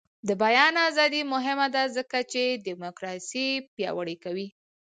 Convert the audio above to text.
د بیان ازادي مهمه ده ځکه چې دیموکراسي پیاوړې کوي.